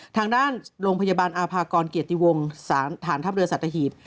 ทางด้านโรงพยาบาลอาภากรเกียรติวงฐานทัพเรือสัตหีบ